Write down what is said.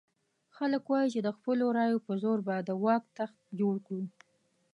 خلک وایي چې د خپلو رایو په زور به د واک تخت جوړ کړو.